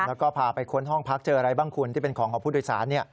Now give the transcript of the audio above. แล้วก็พาไปค้นห้องพักเจออะไรบ้างคุณที่เป็นของของผู้โดยสาร